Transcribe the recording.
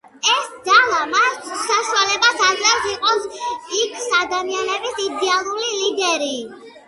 ეს ძალა მას საშუალებას აძლევს იყოს იქს–ადამიანების იდეალური ლიდერი.